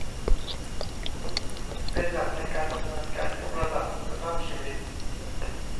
เป็นหลักในการดำเนินการยกระดับคุณภาพชีวิต